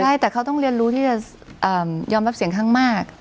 ใช่แต่เขาต้องเรียนรู้ที่จะยอมรับเสียงข้างมาก